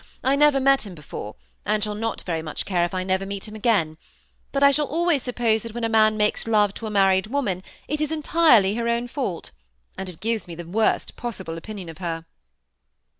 I never met him before, and shall not very much care if I never meet him again ; but I shall always suppose that when a man makes THE SEMI ATTACHED COUPLE, 151 love to a married woman, it is entirely her fault, and it gives me the worst possible opinion of her."